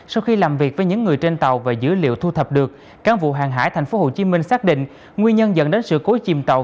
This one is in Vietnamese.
sau khi làm việc với những người trên tàu và dữ liệu thu thập được cán vụ hàng hải thành phố hồ chí minh xác định nguyên nhân dẫn đến sự cối chìm tàu